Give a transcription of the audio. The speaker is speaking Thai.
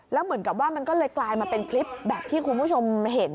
แล้วเหมือนกับว่ามันก็เลยกลายมาเป็นคลิปแบบที่คุณผู้ชมเห็น